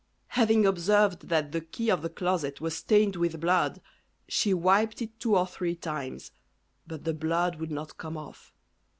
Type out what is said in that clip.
Having observed that the key of the closet was stained with blood, she wiped it two or three times, but the blood would not come off.